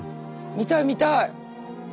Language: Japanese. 見たい見たい。